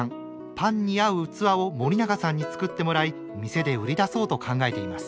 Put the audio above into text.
パンに合う器を森永さんに作ってもらい店で売り出そうと考えています。